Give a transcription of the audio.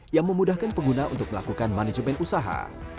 yang memudahkan pengguna untuk melakukan manajemen usaha